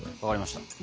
わかりました。